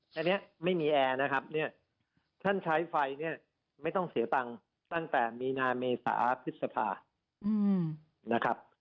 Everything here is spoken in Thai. และไม่มีแอร์ท่านใช้ไฟไม่ต้องเสียตังค์ตั้งแต่มีนาเมษาพฤษภา